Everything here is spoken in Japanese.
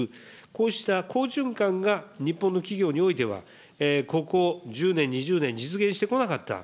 こうした好循環が日本の企業においては、ここ１０年、２０年、実現してこなかった。